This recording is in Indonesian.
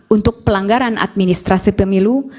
untuk pelanggaran administrasi pemilu